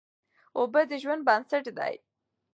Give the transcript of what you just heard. اوبه د ژوند بنسټ دی.